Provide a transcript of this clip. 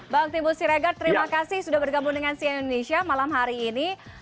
bang timbul siregar terima kasih sudah bergabung dengan cn indonesia malam hari ini